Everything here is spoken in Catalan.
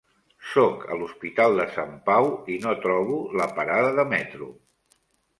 Sóc a l'Hospital de Sant Pau i no trobo la parada de metro!